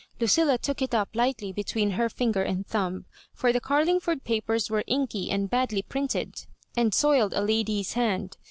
Lucilla took it up lightly between her finger and thumb ; for the Carlingford papers were inky and badly printed, and soiled a lady's hand.